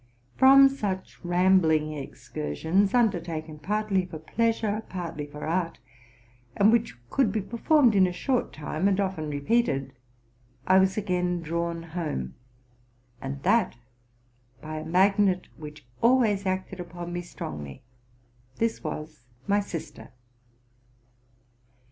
From such rambling excursions, undertaken partly for pleasure, partly for art, and which could be performed in a short time, and often repeated, I was again drawn home, and that by a magnet which always acted upon me strongly : this was my sister.